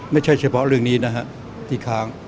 ไม่ใช่เฉพาะเรื่องนี้นะครับอีกครั้ง